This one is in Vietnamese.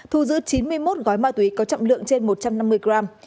thu giữ chín mươi một gói ma túy có trọng lượng trên một trăm năm mươi gram